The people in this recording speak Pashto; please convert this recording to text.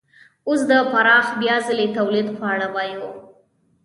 اوس د پراخ بیا ځلي تولید په اړه وایو